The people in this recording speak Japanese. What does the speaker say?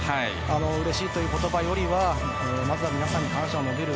うれしいという言葉よりはまずは皆さんに感謝を述べる。